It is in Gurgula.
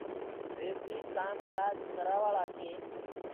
وي بيٚ ڪآم ڪآج ڪروآݪآ ڪي